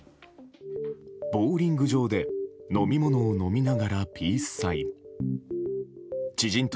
ボウリング場で飲み物を飲みながらピースサイン。